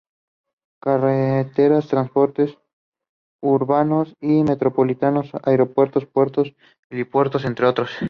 Carreteras, transportes urbanos y metropolitanos, aeropuertos, puertos, helipuertos entre otros.